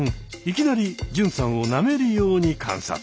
いきなり純さんをなめるように観察。